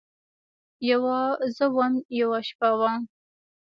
یوه زه وم ، یوه شپه وه